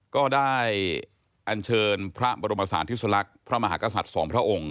ก็ได้อันเชิญพระบรมศาลทิศลักษณ์พระมหากษัตริย์สองพระองค์